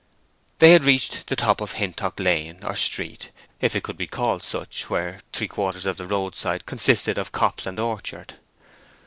They had reached the top of Hintock Lane or Street, if it could be called such where three quarters of the road side consisted of copse and orchard.